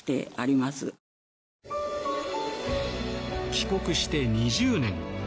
帰国して２０年。